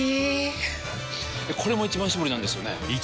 これも「一番搾り」なんですよね